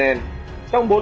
trong bốn tuần qua